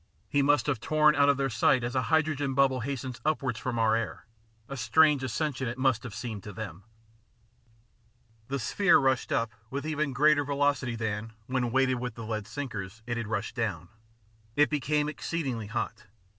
He must have torn out of their sight as a hydrogen bubble hastens upward from our air. A strange ascension it must have seemed to them. The sphere rushed up with even greater velocity than, when weighted with the lead sinkers, it had rushed down. It became exceedingly hot.